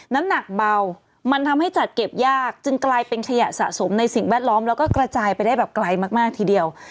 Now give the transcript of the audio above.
น้ำหนักเบามันทำให้จัดเก็บยากจึงกลายเป็นขยะสะสมในสิ่งแวดล้อมแล้วก็กระจายไปได้แบบไกลมากทีเดียว